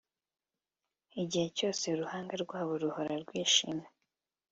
igihe cyose uruhanga rwabo ruhora rwishimye.